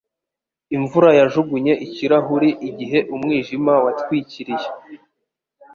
Imvura yajugunye ikirahuri igihe umwijima watwikiriye.